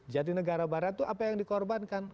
jati negara barat itu apa yang dikorbankan